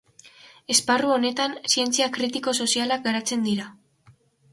Esparru honetan zientzia kritiko-sozialak garatzen dira.